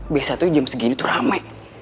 biasanya jam segini tuh rame